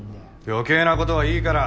余計なことはいいから！